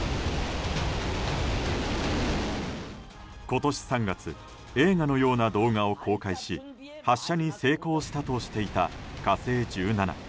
今年３月映画のような動画を公開し発射に成功したとしていた「火星１７」。